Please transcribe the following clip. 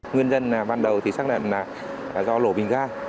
nguyên nhân ban đầu thì xác định là do lổ bình ga